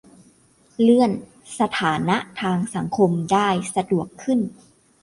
เลื่อนสถานะทางสังคมได้สะดวกขึ้น